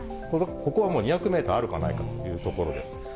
ここはもう２００メーターあるかないかという所です。